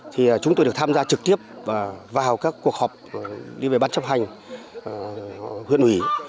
thì chúng tôi được tham gia trực tiếp vào các cuộc họp đi về bán chấp hành huyện ủy